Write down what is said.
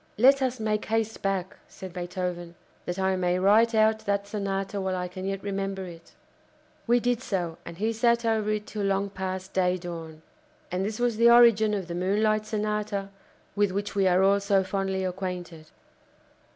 "Let us make haste back," said Beethoven, "that I may write out that Sonata while I can yet remember it." We did so, and he sat over it till long past day dawn. And this was the origin of the Moonlight Sonata with which we are all so fondly acquainted.